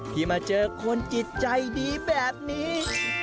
ที่มาเจอคนจิตใจดีแบบนี้